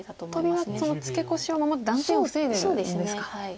トビはツケコシを守る断点を防いでるんですか。